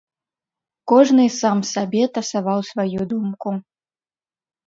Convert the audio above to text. Кожны сам сабе тасаваў сваю думку.